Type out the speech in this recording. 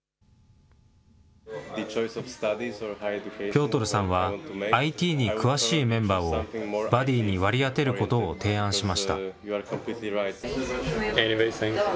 ピョートルさんは、ＩＴに詳しいメンバーを、バディーに割り当てることを提案しました。